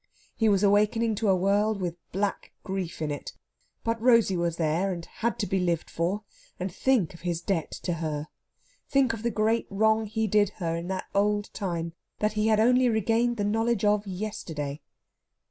He was awakening to a world with a black grief in it; but Rosey was there, and had to be lived for, and think of his debt to her! Think of the great wrong he did her in that old time that he had only regained the knowledge of yesterday!